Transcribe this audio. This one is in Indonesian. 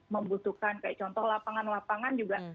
membutuhkan kayak contoh lapangan lapangan juga